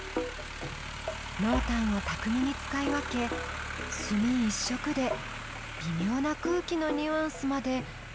濃淡を巧みに使い分け墨一色で微妙な空気のニュアンスまで見事に表してますね。